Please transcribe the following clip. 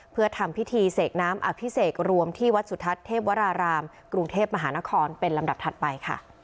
เพื่อทำพิธีเสกน้ำอภิเษกรวมที่วัดสุทัศน์เทพวรารามกรุงเทพมหานครเป็นลำดับถัดไปค่ะ